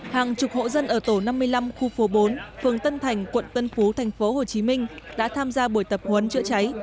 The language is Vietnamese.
hàng chục hộ dân ở tổ năm mươi năm khu phố bốn phường tân thành quận tân phú tp hcm đã tham gia buổi tập huấn chữa cháy